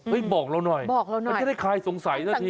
เฮ้ยบอกเราหน่อยมันก็ได้คลายสงสัยซักที